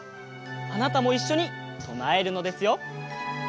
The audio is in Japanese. あなたもいっしょにとなえるのですよ。